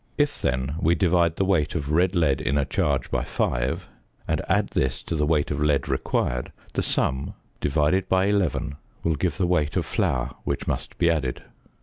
If then we _divide the weight of red lead in a charge by 5, and add this to the weight of lead required, the sum divided by 11 will give the weight of flour which must be added_.